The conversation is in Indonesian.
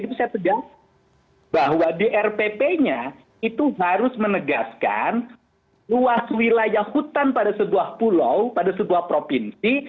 itu saya tegas bahwa di rpp nya itu harus menegaskan luas wilayah hutan pada sebuah pulau pada sebuah provinsi